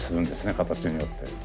形によって。